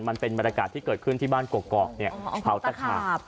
มันเป็นบรรยากาศที่เกิดขึ้นที่บ้านกอกเผาตะขาบ